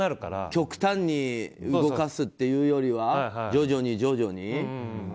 極端に動かすというよりは徐々に、徐々に。